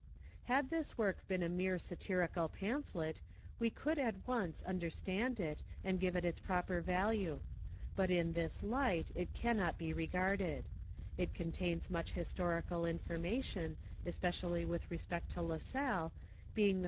Had this work been a mere satirical pamphlet 've could at once understand it and give it its proper value ; but in this light it can not be regarded ; it con tains much historical information, especially with respect to La Salle, being the ■:u.